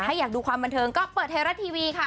ถ้าอยากดูความบันเทิงก็เปิดไทยรัฐทีวีค่ะ